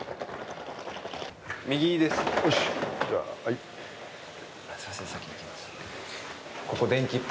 右です。